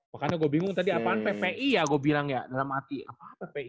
makanya gue bingung tadi apaan ppi ya gue bilang ya dalam hati apaan ppi ya